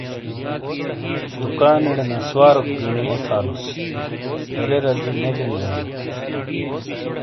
دُکانیڑے نسواروک گینی آے تھالوس فیرے رزی نے گینی آلو۔